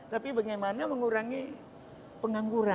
tapi bagaimana mengurangi pengangguran